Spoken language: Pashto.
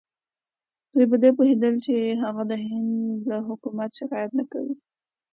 دوی په دې پوهېدل چې هغه د هند له حکومت شکایت نه کاوه.